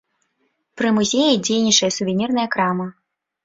Пры музеі дзейнічае сувенірная крама.